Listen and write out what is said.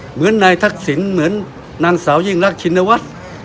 เหมือนนายทักษิณเหมือนนางสาวยิ่งรักชินวัฒน์